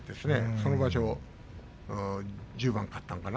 その場所１０番勝ったのかな？